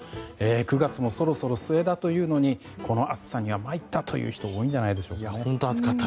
９月もそろそろ末だというのにこの暑さには参ったという人が多いんじゃないでしょうか。